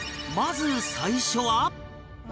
まず最初は